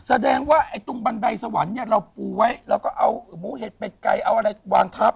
แสดงว่าไอ้ตรงบันไดสวรรค์เนี่ยเราปูไว้เราก็เอาหมูเห็ดเป็ดไก่เอาอะไรวางทับ